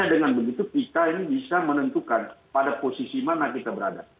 dengan begitu kita ini bisa menentukan pada posisi mana kita berada